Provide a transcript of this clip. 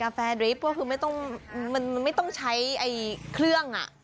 กาแฟดริฟต์ก็คือไม่ต้องใช้เครื่องต้ม